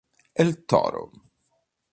El Toro